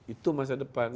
itu masa depan